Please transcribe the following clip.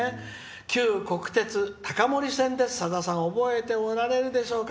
「旧国鉄高森線です、さださん覚えておられるでしょうか」。